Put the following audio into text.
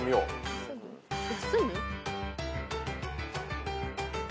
休む？